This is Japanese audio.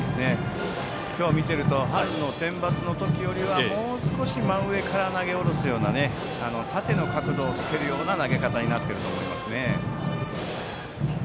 今日見ていると春のセンバツの時よりはもう少し真上から投げ下ろすような縦の角度をつけるような投げ方になっていると思います。